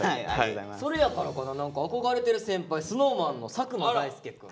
それやからかな憧れてる先輩ＳｎｏｗＭａｎの佐久間大介くん。